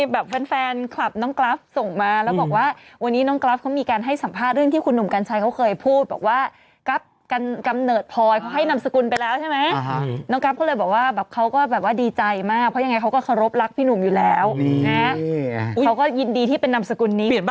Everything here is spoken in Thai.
แบบแฟนคลับน้องกรัฟส่งมาแล้วบอกว่าวันนี้น้องกรัฟเขามีการให้สัมภาษณ์เรื่องที่คุณหนุ่มกันชายเขาเคยพูดบอกว่ากรัฟกำเนิดพลอยเขาให้นำสกุลไปแล้วใช่ไหมน้องกรัฟเขาเลยบอกว่าแบบเขาก็แบบว่าดีใจมากเพราะยังไงเขาก็เคารพรักพี่หนุ่มอยู่แล้วเขาก็ยินดีที่เป็นนำสกุลนี้